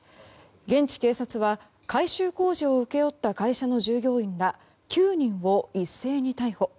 現地警察は、改修工事を請け負った会社の従業員ら９人を一斉に逮捕。